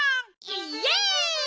イエイ！